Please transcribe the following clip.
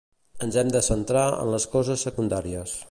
Ens hem de centrar en les coses secundàries.